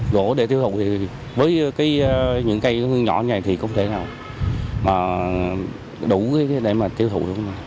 gỗ để thiếu thụ với những cây giáng hương nhỏ như thế này thì không thể nào đủ để thiếu thụ